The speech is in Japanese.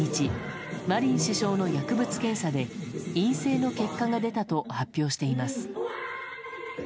マリン首相の薬物検査で陰性の結果が出たと発表しています。